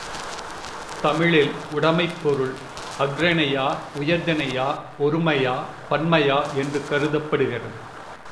தமிழில் உடைமைப் பொருள் அஃறிணையா உயர் திணையா ஒருமையா பன்மையா என்று கருதப்படுகிறது.